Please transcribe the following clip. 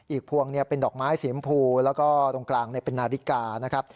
พวงเป็นดอกไม้สีชมพูแล้วก็ตรงกลางเป็นนาฬิกานะครับ